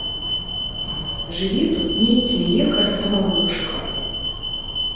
Жыве тут нейкі лекар самавучка.